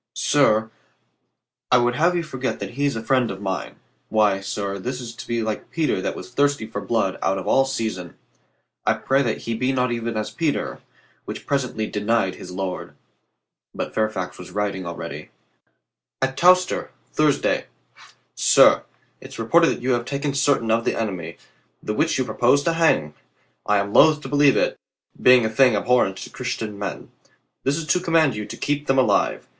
"Sir, I would have you forget that he is friend of mine. Why, sir, this is to be like Peter that was thirsty for blood out of all season. I pray that he be not even as Peter, which presently denied his Lord." But Fairfax was writing already : At Towcester, Thursday. Sir — It's reported that you have taken certain of the enemy, the which you purpose to hang. I am loath to believe it, being a thing abhorrent to Christian men. This Is to command you to keep them alive.